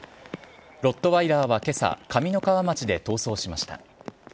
ロットワイラーはけさ、上三川町で逃走しました。